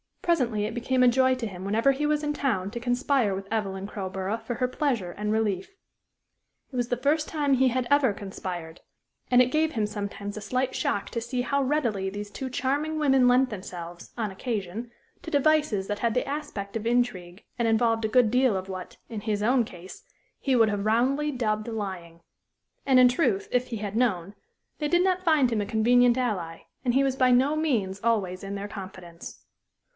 Presently it became a joy to him whenever he was in town to conspire with Evelyn Crowborough for her pleasure and relief. It was the first time he had ever conspired, and it gave him sometimes a slight shock to see how readily these two charming women lent themselves, on occasion, to devices that had the aspect of intrigue, and involved a good deal of what, in his own case, he would have roundly dubbed lying. And, in truth, if he had known, they did not find him a convenient ally, and he was by no means always in their confidence.